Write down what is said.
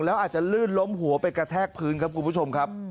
แล้วอาจจะลื่นล้มหัวไปกระแทกพื้นครับคุณผู้ชมครับ